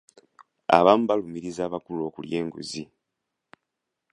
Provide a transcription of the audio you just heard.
Abamu balumiriza abakulu okulya enguzi.